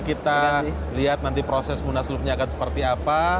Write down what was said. kita lihat nanti proses munas lupanya akan seperti apa